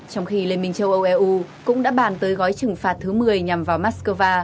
trong khi liên minh châu âu eu cũng đã bàn tới gói trừng phạt thứ một mươi nhằm vào moscow